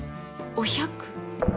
お百。